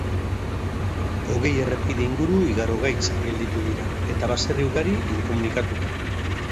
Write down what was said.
Hogei errepide inguru igarogaitz gelditu dira, eta baserri ugari, inkomunikatuta.